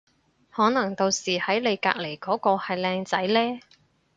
可能到時喺你隔離嗰個係靚仔呢